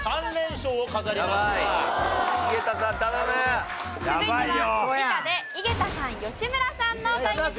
続いては理科で井桁さん吉村さんの対決です。